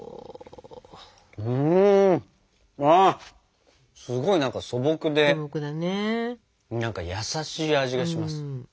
うんすごい何か素朴で何か優しい味がします。